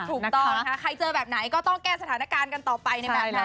ถูกต้อนใครเจอแบบไหนก็ต้องแก้สถานการณ์กันต่อไป